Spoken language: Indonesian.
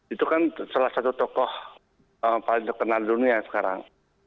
itu kan salah satu tokoh paling terkenal di dunia sekarang